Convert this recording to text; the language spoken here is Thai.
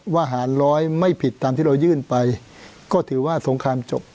หารร้อยไม่ผิดตามที่เรายื่นไปก็ถือว่าสงครามจบ